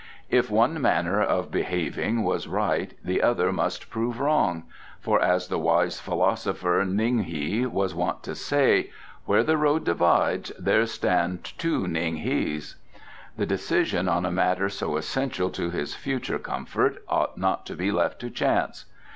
If one manner of behaving was right the other must prove wrong, for as the wise philosopher Ning hy was wont to say: "Where the road divides, there stand two Ning hys." The decision on a matter so essential to his future comfort ought not to be left to chance.